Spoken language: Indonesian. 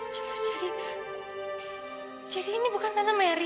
jadi jadi ini bukan tante mary